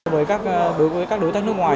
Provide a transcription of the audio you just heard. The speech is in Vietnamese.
với các đối tác nước ngoài